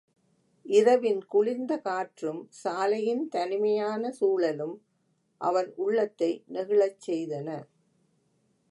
இரவின் குளிர்ந்த காற்றும், சாலையின் தனிமையான சூழலும் அவன் உள்ளத்தை நெகிழச் செய்தன.